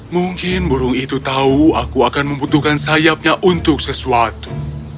mungkin burung itu tahu aku akan membutuhkan sayapnya untuk sesuatu